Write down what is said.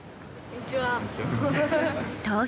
こんにちは。